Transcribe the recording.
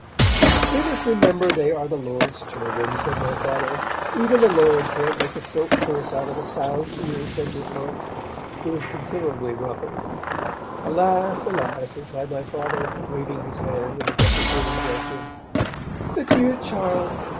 'We must remember they are the Lord's children,' said my Father. 'Even the Lord can't make a silk purse out of a sow's ear,' said Miss Marks, who was considerably ruffled. 'Alas! alas!' replied my Father, waving his hand with a deprecating gesture. 'The dear child!'